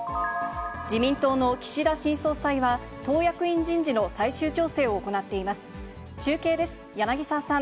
自民党の岸田新総裁は、党役員人事の最終調整を行っています。